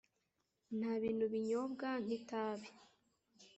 Ntabintu binyobwa nki tabi